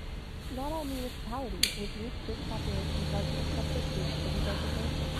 Not all municipalities which reach this population target have pursued city designation.